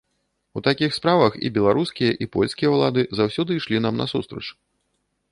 У такіх справах і беларускія, і польскія ўлады заўсёды ішлі нам насустрач.